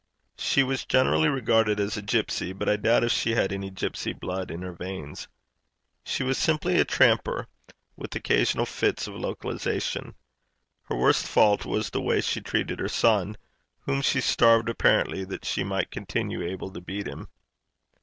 She was generally regarded as a gipsy, but I doubt if she had any gipsy blood in her veins. She was simply a tramper, with occasional fits of localization. Her worst fault was the way she treated her son, whom she starved apparently that she might continue able to beat him.